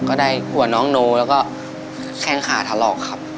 ก็ได้หัวน้องโนแล้วก็แข้งขาถลอกครับ